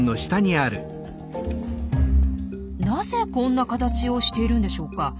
なぜこんな形をしているんでしょうか？